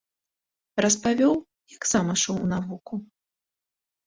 Распавёў, як сам ішоў у навуку.